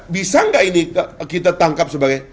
bisa nggak ini kita tangkap sebagai